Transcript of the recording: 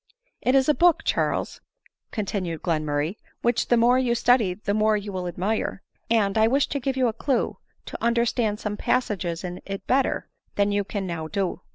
" It is a book, Charles," continued Glenmurray, " which the more you study the more you will admire ; and I wish to give you a. clue to understand some passages in it better than you can now do."